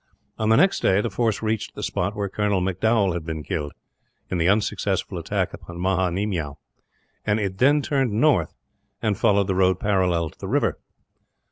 On the next day the force reached the spot where Colonel M'Dowall had been killed, in the unsuccessful attack upon Maha Nemiow; and it then turned north, and followed the road parallel to the river.